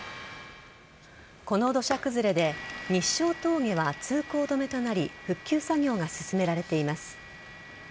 この土砂崩れで日勝峠は通行止めとなり復旧作業が進められています。